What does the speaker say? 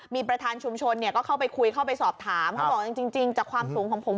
มีประธานชุมชนเนี่ยก็เข้าไปคุยเข้าไปสอบถามเขาบอกจริงจากความสูงของผม